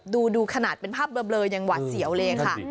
ดูขนาดเป็นภาพเบลอยังหวัดเสียวเลยค่ะ